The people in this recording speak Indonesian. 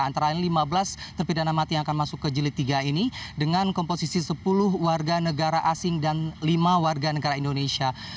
antara lima belas terpidana mati yang akan masuk ke jilid tiga ini dengan komposisi sepuluh warga negara asing dan lima warga negara indonesia